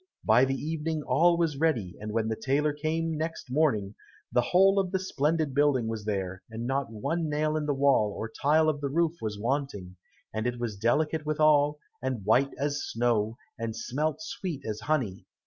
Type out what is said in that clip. By the evening all was ready, and when the tailor came next morning, the whole of the splendid building was there, and not one nail in the wall or tile of the roof was wanting, and it was delicate withal, and white as snow, and smelt sweet as honey.